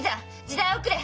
時代遅れ！